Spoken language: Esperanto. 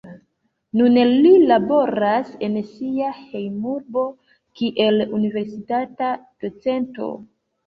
Nun li laboras en sia hejmurbo kiel universitata docento.